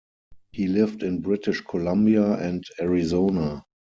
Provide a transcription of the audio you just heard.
He lived in British Columbia and Arizona.